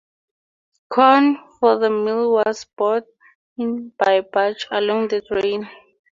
Corn for the mill was brought in by barge along the drain.